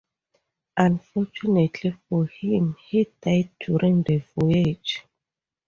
Unfortunately for him, he died during the voyage.